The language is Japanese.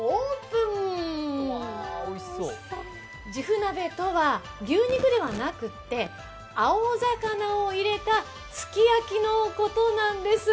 鍋とは牛肉ではなくて、青魚を入れたすき焼きのことなんです。